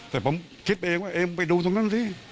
แต่ผมคิดเองว่าเอ็มไปดูตรงนั้นสิ